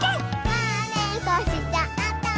「まねっこしちゃった」